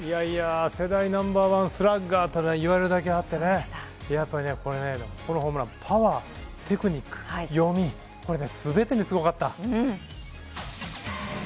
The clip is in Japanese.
世代ナンバーワンスラッガーと言われるだけあってこのホームランパワー、テクニック、読み、全てにすばらしかった。